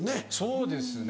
そうですね